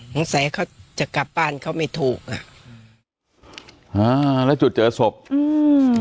สงสัยเขาจะกลับบ้านเขาไม่ถูกอ่ะอ่าแล้วจุดเจอศพอืม